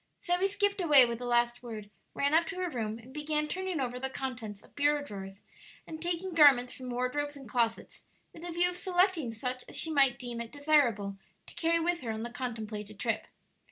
Zoe skipped away with the last word, ran up to her room, and began turning over the contents of bureau drawers and taking garments from wardrobes and closets, with the view of selecting such as she might deem it desirable to carry with her on the contemplated trip.